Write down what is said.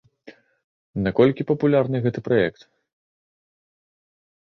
Наколькі папулярны гэты праект?